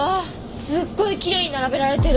すっごいきれいに並べられてる。